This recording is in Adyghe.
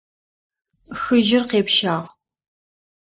Хыжьыр къепщагъ.